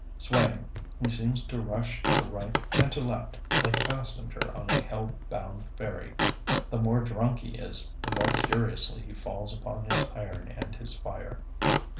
Swaying, he seems to rush to right and to left, like a passenger on a hell bound ferry. The more drunk he is, the more furiously he falls upon his iron and his fire.